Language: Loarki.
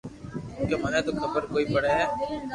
ڪونڪھ مني تو خبر ڪوئي پڙي ھي